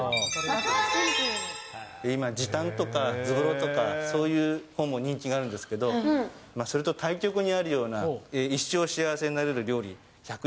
今、時短とかズボラとか、そういう本も人気があるんですけど、それと対極にあるような、一生幸せになれる料理１４７。